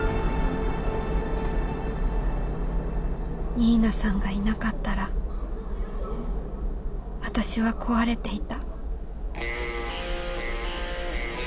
新名さんがいなかったら私は壊れていた